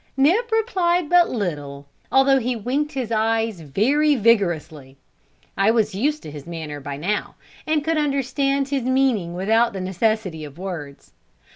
Nip replied but little, although he winked his eyes very vigorously. I was used to his manner now, and could understand his meaning without the necessity of words.